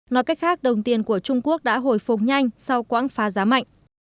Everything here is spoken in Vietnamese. nói cách khác đồng tiền của trung quốc đã hồi phục nhanh sau quãng phá giá mạnh